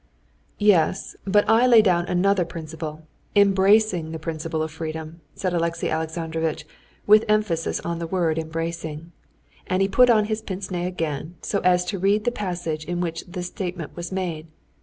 "Yes, but I lay down another principle, embracing the principle of freedom," said Alexey Alexandrovitch, with emphasis on the word "embracing," and he put on his pince nez again, so as to read the passage in which this statement was made.